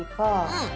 うん！